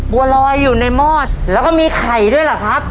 บัวลอยอยู่ในมอดแล้วก็มีไข่ด้วยเหรอครับ